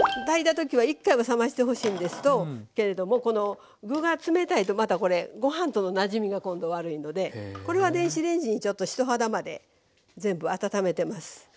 炊いた時は１回は冷ましてほしいですけれども具が冷たいとまたこれご飯とのなじみが今度悪いのでこれは電子レンジにちょっと人肌まで全部温めてます。